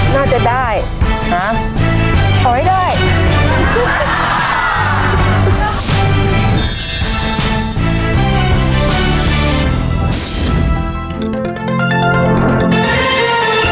น่าจะได้นะขอให้ได้